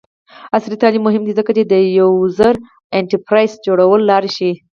عصري تعلیم مهم دی ځکه چې د یوزر انټرفیس جوړولو لارې ښيي.